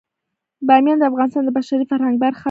بامیان د افغانستان د بشري فرهنګ برخه ده.